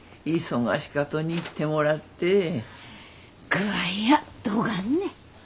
具合やどがんね？